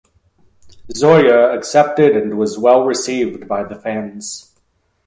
Zoya accepted and was well received by the fans.